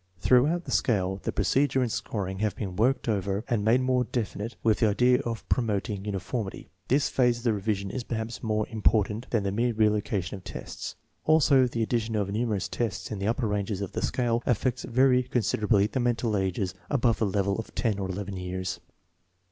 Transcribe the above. \Throughout the scale the procedure and scoring have been worked over and made more definite with the idea of promoting uni formity. This phase of the revision is perhaps more im C2 THE MEASUREMENT OF INTELLIGENCE portant than the mere relocation of tests. *\ Also, the addi tion of numerous tests in the upper ranges of the scale affects very considerably the mental ages above the level of 10 or 11 years.